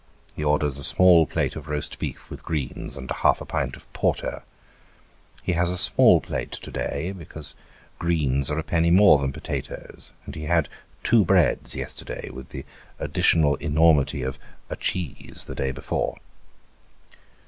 he orders a small plate of roast beef, with greens, and half a pint of porter. He has a small plate to day, because greens are a penny more than potatoes, and he had "two breads " yesterday, with the additional enormity of " a cheese " the day before.